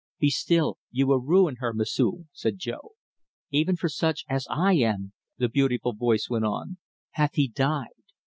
"Be still. You will ruin her, M'sieu'!" said Jo. " even for such as I am," the beautiful voice went on, "hath He died.